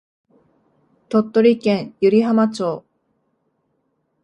鳥取県湯梨浜町